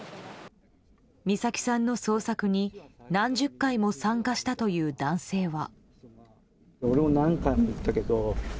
美咲さんの捜索に何十回も参加したという男性は。